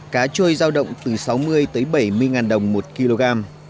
cá trôi giao động từ sáu mươi tới bảy mươi đồng một kg